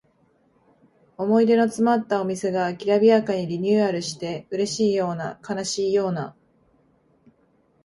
思い出のつまったお店がきらびやかにリニューアルしてうれしいような悲しいような